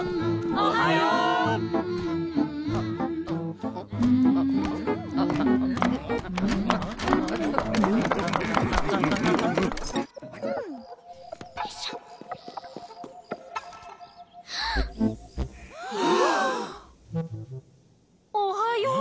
おはよう？あ？